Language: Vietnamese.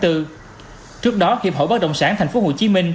trước đó hiệp hội bất động sản tp hcm